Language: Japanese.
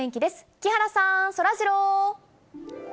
木原さん、そらジロー。